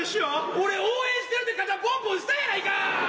俺「応援してる」って肩ポンポンしたやないか！